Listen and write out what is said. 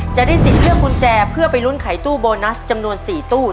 จะได้สิทธิ์เลือกกุญแจเพื่อไปลุ้นไขตู้โบนัสจำนวน๔ตู้